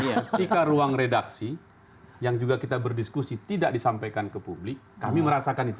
ketika ruang redaksi yang juga kita berdiskusi tidak disampaikan ke publik kami merasakan itu